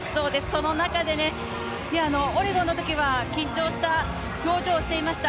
その中でオレゴンのときは緊張した表情をしていました、